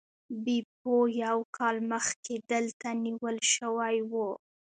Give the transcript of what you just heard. بیپو یو کال مخکې دلته نیول شوی و.